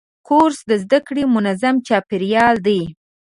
کورس د زده کړې منظم چاپېریال دی.